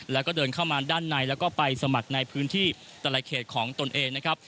แล้วก็เดินเข้ามาด้านในแล้วก็ไปสมัครในพื้นที่แต่ละเขตของตนเองนะครับ